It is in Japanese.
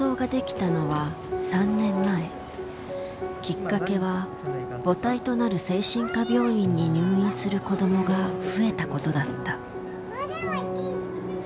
きっかけは母体となる精神科病院に入院する子どもが増えたことだった。